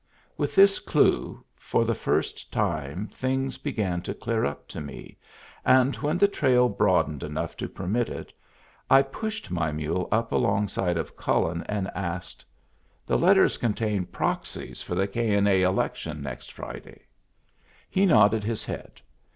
With this clue, for the first time things began to clear up to me, and when the trail broadened enough to permit it, I pushed my mule up alongside of Cullen and asked, "The letters contain proxies for the K. & A. election next Friday?" He nodded his head.